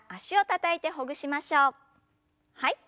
はい。